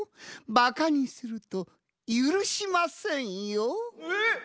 ばかにするとゆるしませんよ。